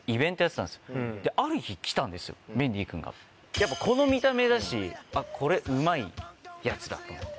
やっぱこの見た目だし「これうまいヤツだ」と思って。